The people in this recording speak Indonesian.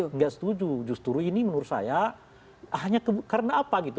tidak setuju justru ini menurut saya hanya karena apa gitu